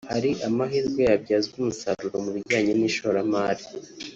Hari amahirwe ahari yabyazwa umusaruro mu bijyanye n’ishoramari